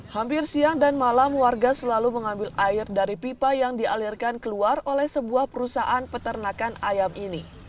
hampir siang dan malam warga selalu mengambil air dari pipa yang dialirkan keluar oleh sebuah perusahaan peternakan ayam ini